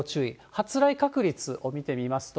発雷確率を見てみますと。